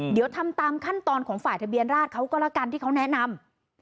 เดี๋ยวทำตามขั้นตอนของฝ่ายทะเบียนราชเขาก็แล้วกันที่เขาแนะนำ